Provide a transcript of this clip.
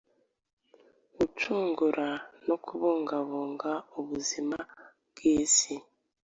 Gucungura no kubungabunga ubwiza bw'isi,